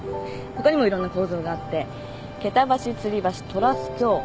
ほかにもいろんな構造があってけた橋つり橋トラス橋